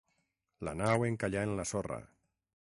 La nau encallà en la sorra.